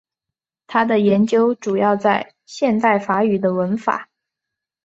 他的研究主要在现代法语的文法。